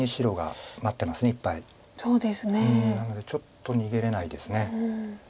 なのでちょっと逃げれないです。